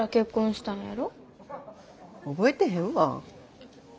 覚えてへんわ。